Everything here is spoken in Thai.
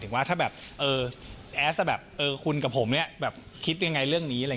ถึงว่าถ้าแบบแอ๊สคุณกับผมคิดยังไงเรื่องนี้